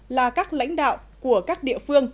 là các lãnh đạo của các địa phương